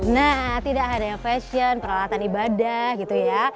nah tidak ada yang fashion peralatan ibadah gitu ya